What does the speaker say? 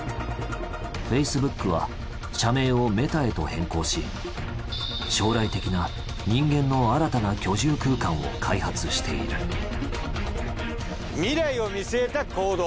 フェイスブックは社名をメタへと変更し将来的な人間の新たな居住空間を開発している未来を見据えた行動。